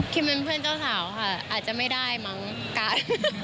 เป็นเพื่อนเจ้าสาวค่ะอาจจะไม่ได้มั้งการ์ด